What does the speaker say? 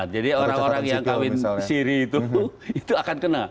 jadi orang orang yang kawin siri itu akan kena